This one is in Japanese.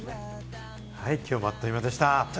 きょうもあっという間でした。